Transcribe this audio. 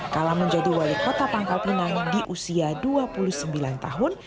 kala menjadi wali kota pangkal pinang di usia dua puluh sembilan tahun